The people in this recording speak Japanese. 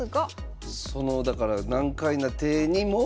そのだから難解な手にも。